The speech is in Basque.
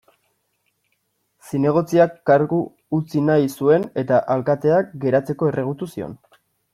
Zinegotziak kargu utzi nahi zuen eta alkateak geratzeko erregutu zion.